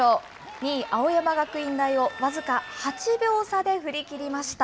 ２位青山学院大を、僅か８秒差で振り切りました。